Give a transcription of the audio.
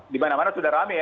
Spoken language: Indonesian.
di mana mana sudah ramai ya